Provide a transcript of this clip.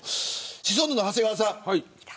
シソンヌの長谷川さん。